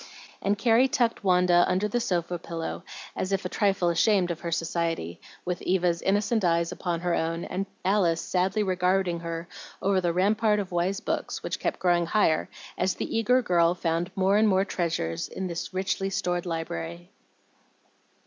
And Carrie tucked Wanda under the sofa pillow, as if a trifle ashamed of her society, with Eva's innocent eyes upon her own, and Alice sadly regarding her over the rampart of wise books, which kept growing higher as the eager girl found more and more treasures in this richly stored library.